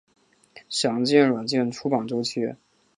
详见软件出版周期。